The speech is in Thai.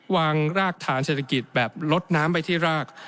รากฐานเศรษฐกิจแบบลดน้ำไปที่ราก